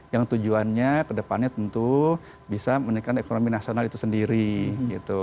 yang tujuannya kedepannya tentu bisa meningkatkan ekonomi nasional itu sendiri gitu